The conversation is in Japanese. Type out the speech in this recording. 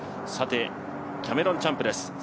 さて、キャメロン・チャンプです。